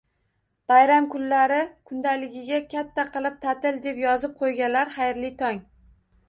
Bayram kunlari kundaligiga katta qilib "Taʼtil!" deb yozib qoʻyganlar, xayrli tong!